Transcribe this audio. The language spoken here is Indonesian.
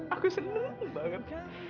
aku seneng banget